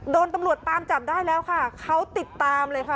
โดนตำรวจตามจับได้แล้วค่ะเขาติดตามเลยค่ะ